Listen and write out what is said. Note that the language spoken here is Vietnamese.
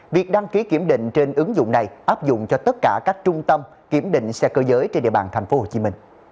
việc đăng ký kiểm định trên ứng dụng này áp dụng cho tất cả các trung tâm kiểm định xe cơ giới trên địa bàn tp hcm